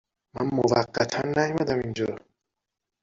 من موقتا نیومدم اینجا